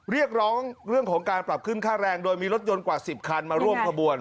เรียกร้องเรื่องของการปรับขึ้นค่าแรงโดยมีรถยนต์กว่า๑๐คันมาร่วมขบวน